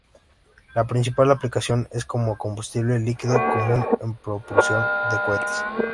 La principal aplicación es como combustible líquido común en propulsión de cohetes.